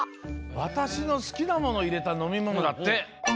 わたしのすきなものをいれたのみものだって。